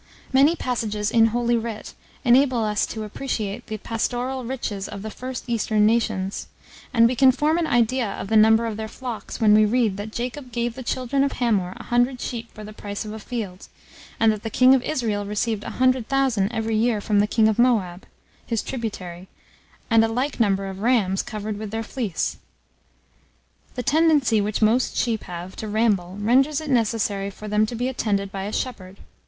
Many passages in holy writ enable us to appreciate the pastoral riches of the first eastern nations; and we can form an idea of the number of their flocks, when we read that Jacob gave the children of Hamor a hundred sheep for the price of a field, and that the king of Israel received a hundred thousand every year from the king of Moab, his tributary, and a like number of rams covered with their fleece. The tendency which most sheep have to ramble, renders it necessary for them to be attended by a shepherd.